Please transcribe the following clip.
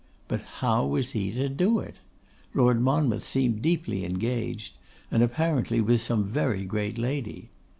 But how was he to do it? Lord Monmouth seemed deeply engaged, and apparently with some very great lady.